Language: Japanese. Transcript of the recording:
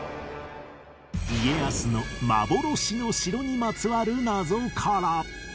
家康の幻の城にまつわる謎から